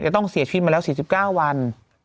ต้องเสียชีวิตมาแล้ว๔๙วัน